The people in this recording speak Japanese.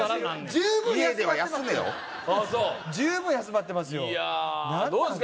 十分休まってますよ